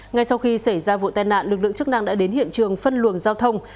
ngay sau khi xảy ra vụ tai nạn lực lượng chức năng đã đến hiện trường phân luồng giao thông